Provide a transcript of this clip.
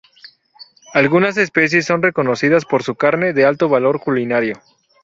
Algunas especies son reconocidas por su carne, de alto valor culinario.